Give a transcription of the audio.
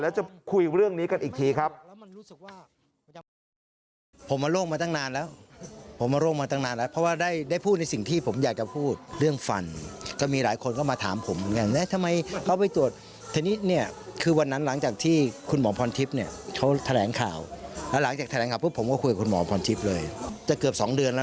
แล้วจะคุยเรื่องนี้กันอีกทีครับ